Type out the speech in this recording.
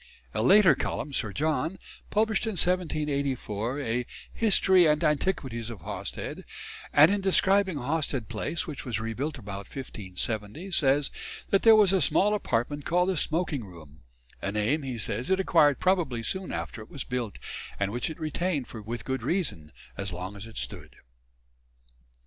A later Cullum, Sir John, published in 1784 a "History and Antiquities of Hawsted," and in describing Hawsted Place, which was rebuilt about 1570, says that there was a small apartment called the smoking room "a name," he says, "it acquired probably soon after it was built; and which it retained with good reason, as long as it stood."